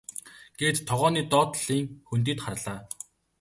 гээд тогооны доод талын хөндийд харлаа.